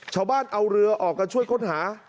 ชาวบ้านเอาเรือออกกันช่วยค้นหา